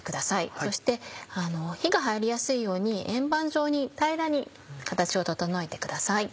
そして火が入りやすいように円盤状に平らに形を整えてください。